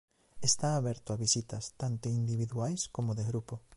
Está aberto a visitas tanto individuais como de grupo.